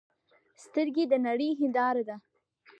سترګې د نړۍ هنداره ده